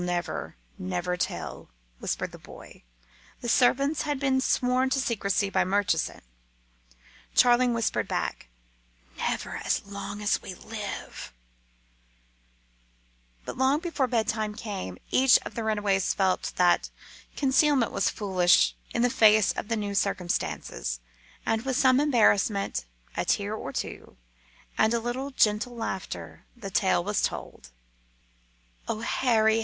"We'll never, never tell," whispered the boy. The servants had been sworn to secrecy by Murchison. Charling whispered back, "Never as long as we live." But long before bedtime came each of the runaways felt that concealment was foolish in the face of the new circumstances, and with some embarrassment, a tear or two, and a little gentle laughter, the tale was told. "Oh, Harry!